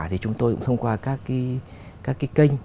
thì chúng tôi cũng thông qua các kênh